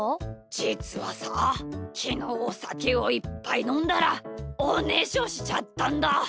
じつはさきのうおさけをいっぱいのんだらおねしょしちゃったんだ。